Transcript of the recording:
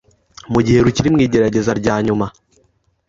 mu gihe rukiri mu igerageza rya nyuma,